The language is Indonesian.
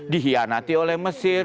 dihianati oleh mesir